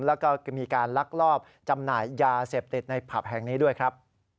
แล้วก็มีการลักลอบจำหน่ายยาเสพติดในผับแห่งนี้ด้วยครับ